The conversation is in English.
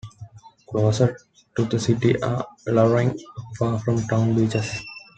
Closest to the city are Illawong, Far and Town beaches.